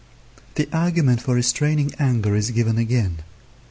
The argument for restraining anger is given again.